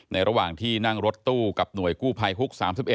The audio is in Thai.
ระหว่างที่นั่งรถตู้กับหน่วยกู้ภัยฮุก๓๑